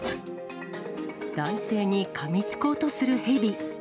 男性にかみつこうとするヘビ。